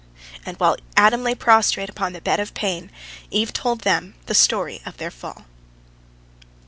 And while Adam lay prostrate upon the bed of pain, Eve told them the story of their fall.